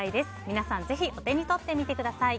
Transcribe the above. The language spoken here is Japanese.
皆さん、ぜひお手に取ってみてください。